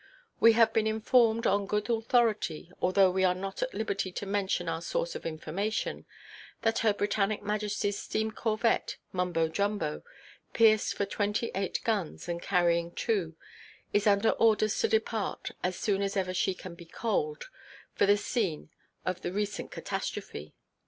We have been informed, upon good authority, although we are not at liberty to mention our source of information, that Her Britannic Majestyʼs steamcorvette Mumbo Jumbo, pierced for twenty–eight guns, and carrying two, is under orders to depart, as soon as ever she can be coaled, for the scene of the recent catastrophe.